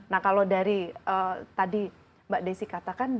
nah kalau dari tadi mbak desi katakan